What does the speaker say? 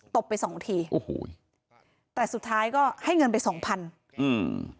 บไปสองทีโอ้โหแต่สุดท้ายก็ให้เงินไปสองพันอืม